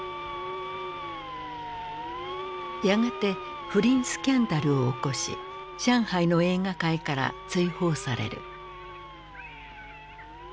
やがて不倫スキャンダルを起こし上海の映画界から追放される。